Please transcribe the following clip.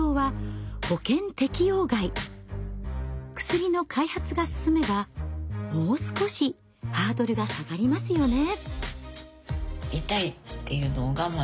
薬の開発が進めばもう少しハードルが下がりますよね。